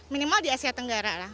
minimal di asia tenggara lah